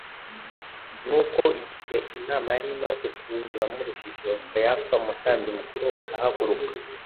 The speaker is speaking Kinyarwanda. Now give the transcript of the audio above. Nuko igihe inama yari imaze kuzuramo urujijo, Kayafa umutambyi mukuru arahaguruka.